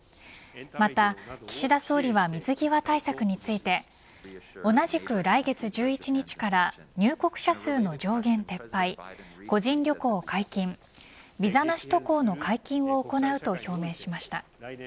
また岸田総理は水際対策について同じく来月１１日から入国者数の上限撤廃個人旅行解禁ビザなし渡航の解禁を行うと表明しました。